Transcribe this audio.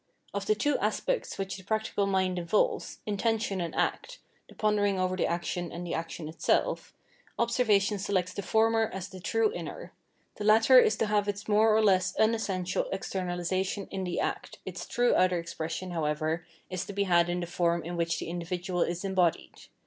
Of the two aspects which the practical mind involves, intention and act, (the pondering over the action and the action itself,) observation selects the former as the true inner ; the latter is to have its more or less unessential esternahsation in the act, its true outer expression, how ever, is to be had in the form in which the individual is embodied.